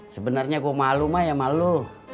sebenernya gue malu may ya malu